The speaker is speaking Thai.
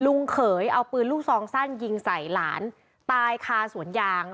เขยเอาปืนลูกซองสั้นยิงใส่หลานตายคาสวนยาง